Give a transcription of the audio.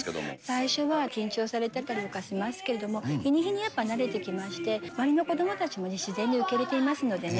最初は緊張されてたりとかしますけど、日に日にやっぱ慣れてきまして、周りの子どもたちも自然に受け入れていますのでね。